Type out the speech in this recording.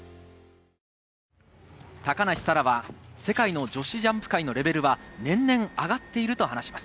高梨沙羅は世界の女子ジャンプ界のレベルは年々上がっていると話します。